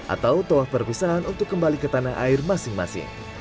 atau toah perpisahan untuk kembali ke tanah air masing masing